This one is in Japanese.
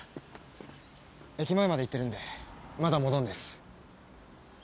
駅前まで行ってるんでまだ戻んねえっす。